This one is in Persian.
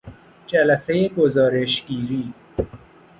جلسهی گزارشگیری